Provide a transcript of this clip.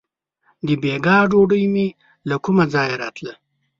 • د بېګا ډوډۍ مې له کومه ځایه راتله.